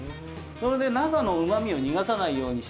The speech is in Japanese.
それで中のうまみを逃がさないようにして。